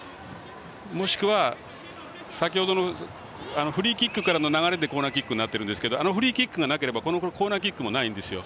もしくは、先ほどのフリーキックからの流れでコーナーキックなってますがあのフリーキックがなければコーナーキックもないんですよ。